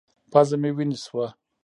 پزه مې وينې سوه.